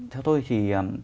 theo tôi thì